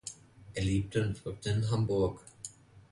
Er lebte und wirkte in Hamburg.